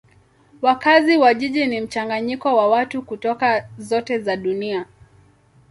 Wakazi wa jiji ni mchanganyiko wa watu kutoka zote za dunia.